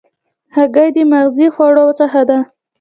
هګۍ د مغذي خوړو څخه ده.